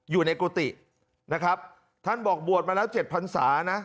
อยู่ในกุฏินะครับท่านบอกบวชมาแล้ว๗พันศานะ